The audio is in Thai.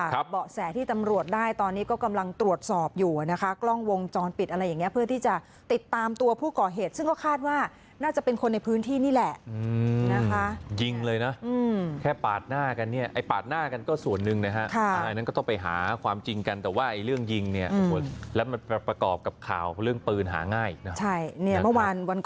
แต่ทีนี้เขาบอกว่าเขายิงกันหนูก็วิ่งเลยจ้ะ